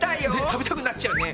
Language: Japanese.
食べたくなっちゃうね。